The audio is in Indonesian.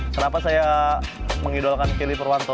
kenapa saya mengidolkan feli purwanto